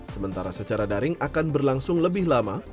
sementara secara daring akan berlangsung lebih lama